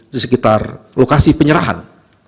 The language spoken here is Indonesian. di sekitar lokasi penyerahan